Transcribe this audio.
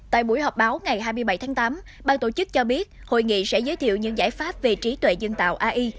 tại buổi họp báo ngày hai mươi bảy tháng tám bang tổ chức cho biết hội nghị sẽ giới thiệu những giải pháp về trí tuệ dân tạo ai